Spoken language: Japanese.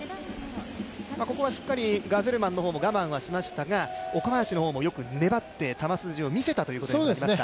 ここはしっかりガゼルマンの方も我慢はしましたが岡林の方もよく粘って球筋を見せたことになりますか。